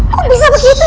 kok bisa begitu